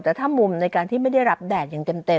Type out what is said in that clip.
แต่ถ้ามุมในการที่ไม่ได้รับแดดอย่างเต็ม